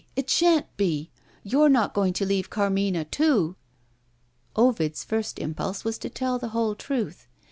it shan't be! You're not going to leave Carmina, too?" Ovid's first impulse was to tell the whole truth.